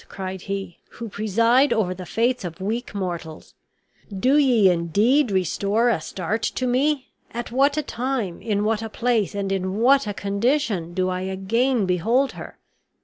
cried he, "who preside over the fates of weak mortals, do ye indeed restore Astarte to me! at what a time, in what a place, and in what a condition do I again behold her!"